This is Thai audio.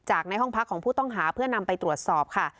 ในห้องพักของผู้ต้องหาเพื่อนำไปตรวจสอบค่ะ